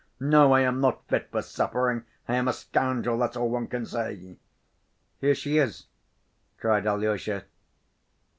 No, I am not fit for suffering. I am a scoundrel, that's all one can say." "Here she is!" cried Alyosha.